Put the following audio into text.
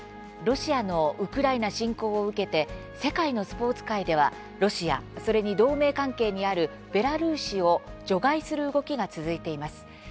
ロシアのウクライナ侵攻を受けて世界のスポーツ界では、ロシアそれに同盟関係にあるベラルーシを除外する動きが続いています。